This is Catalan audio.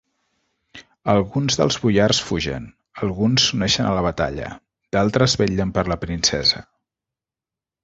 Alguns dels boiars fugen; alguns s'uneixen a la batalla, d'altres vetllen per la princesa.